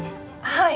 はい。